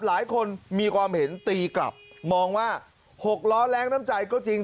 หลายคนมีความเห็นตีกลับมองว่า๖ล้อแรงน้ำใจก็จริง